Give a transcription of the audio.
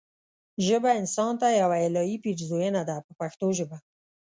ژبه انسان ته یوه الهي پیرزوینه ده په پښتو ژبه.